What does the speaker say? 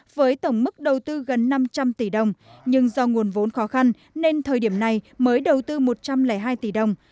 với tổng mức đầu tư gần năm trăm linh tỷ đồng nhưng do nguồn vốn khó khăn nên thời điểm này mới đầu tư một trăm linh hai tỷ đồng